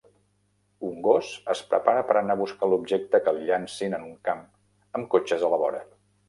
Un gos es prepara per anar a buscar l'objecte que li llancin en un camp amb cotxes a la vora.